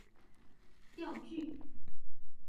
釣具